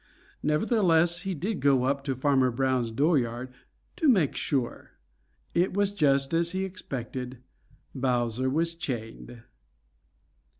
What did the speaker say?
Nevertheless he did go up to Farmer Brown's dooryard to make sure. It was just as he expected, Bowser was chained.